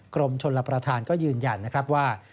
กรมชนประทานก็ยืนยันว่า